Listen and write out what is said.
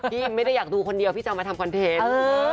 ไม่ได้อยากดูคนเดียวพี่จะเอามาทำคอนเทนต์